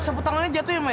sepu tangannya jatuh ya may